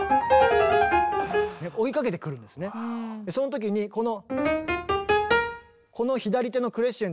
その時にこの。